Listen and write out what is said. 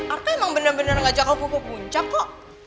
arka emang benar benar ngajak huto ke puncak kok